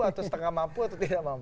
atau setengah mampu atau tidak mampu